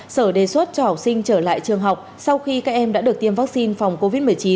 sở đề xuất cho học sinh trở lại trường học sau khi các em đã được tiêm vaccine phòng covid một mươi chín